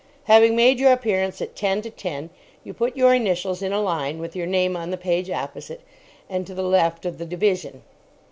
Having made your appearance at ten to ten, you put your initials in a line with your name on the page opposite and to the left of the division.